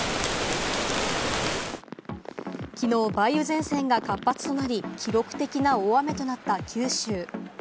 きのう梅雨前線が活発となり記録的な大雨となった九州。